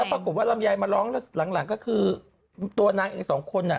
ปรากฏว่าลำไยมาร้องแล้วหลังก็คือตัวนางเองสองคนอ่ะ